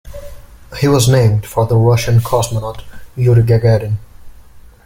He was named for the Russian cosmonaut Yuri Gagarin.